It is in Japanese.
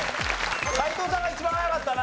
斎藤さんが一番早かったな。